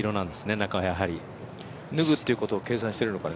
途中で脱ぐということを計算してるのかな。